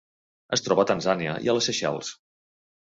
Es troba a Tanzània i a les Seychelles.